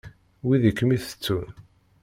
Wid i kem-itettun.